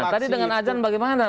tadi dengan ajas bagaimana